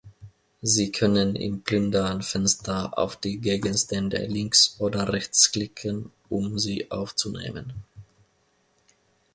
Sie können im Plündern-Fenster auf die Gegenstände links- oder rechtsklicken, um sie aufzunehmen.